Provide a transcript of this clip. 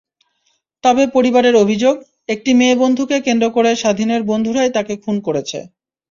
তবে পরিবারের অভিযোগ, একটি মেয়েবন্ধুকে কেন্দ্র করে স্বাধীনের বন্ধুরাই তাকে খুন করেছে।